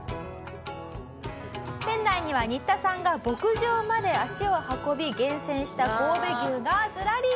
店内にはニッタさんが牧場まで足を運び厳選した神戸牛がズラリ！